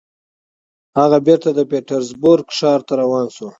هغه بېرته د پیټرزبورګ ښار ته روان شو